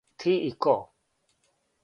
Ти и ко?